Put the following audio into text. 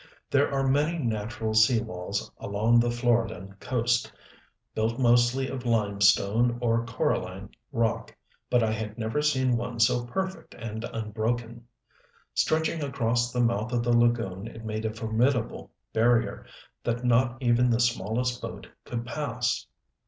There are many natural sea walls along the Floridan coast, built mostly of limestone or coraline rock, but I had never seen one so perfect and unbroken. Stretching across the mouth of the lagoon it made a formidable barrier that not even the smallest boat could pass.